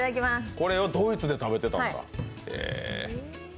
これをドイツで食べてたんだ。